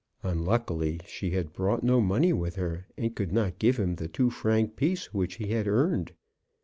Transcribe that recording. Unluckily, she had brought no money with her, and could not give him the two franc piece which he had earned.